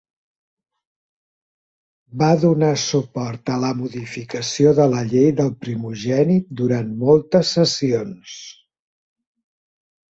Va donar suport a la modificació de la llei del primogènit durant moltes sessions.